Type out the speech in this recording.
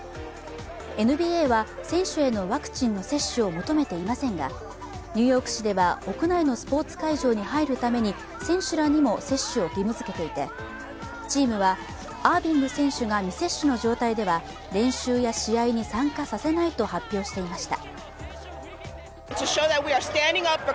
ＮＢＡは選手へのワクチンの接種を求めていませんが、ニューヨーク市では屋内のスポーツ会場に入るために選手らにも接種を義務づけていてチームは、アービング選手が無接種の状態では練習や試合に参加させないと発表していました。